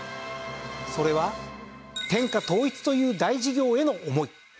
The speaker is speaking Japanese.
それは天下統一という大事業への思い。